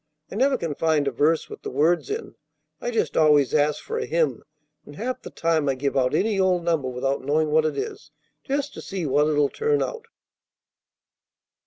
I never can find a verse with the words in. I just always ask for a hymn, and half the time I give out any old number without knowing what it is, just to see what it'll turn out."